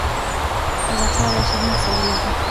خلفاء راشدين څلور دي